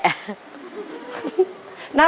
น่าสนใจมาก